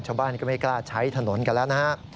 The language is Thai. ชาวบ้านก็ไม่กล้าใช้ถนนกันแล้วนะฮะ